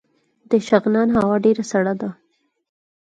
د شغنان هوا ډیره سړه ده